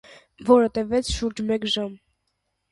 Որը տևեց շուրջ մեկ ժամ։